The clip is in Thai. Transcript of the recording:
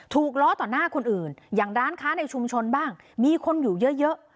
ล้อต่อหน้าคนอื่นอย่างร้านค้าในชุมชนบ้างมีคนอยู่เยอะ